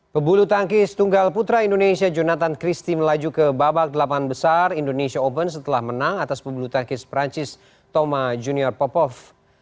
pebulu tangkis tunggal putra indonesia jonathan christie melaju ke babak delapan besar indonesia open setelah menang atas pebulu tangkis perancis thoma junior popov